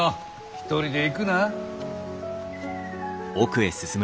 一人で行くな。